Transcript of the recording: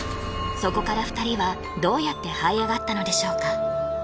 そこから２人はどうやって這い上がったのでしょうか？